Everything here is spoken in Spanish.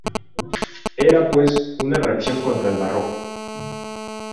Era pues, una reacción contra el barroco.